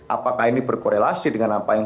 apakah ini berkorelasi dengan apa yang